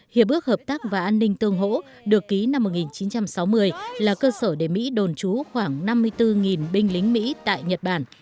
hiệp ước hợp tác và an ninh tương hổ được ký năm một nghìn chín trăm sáu mươi là cơ sở để mỹ đồn trú khoảng năm mươi bốn binh lính mỹ tại nhật bản